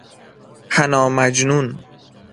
حنا مجنون